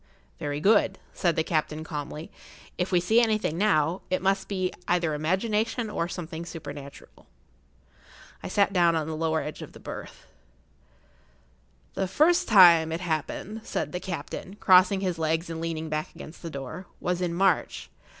"Very good," said the captain, calmly. "If we see anything now, it must be either imagination or something supernatural." I sat down on the edge of the lower berth. "The first time it happened," said the captain, crossing his legs and leaning back against the door,[Pg 61] "was in March.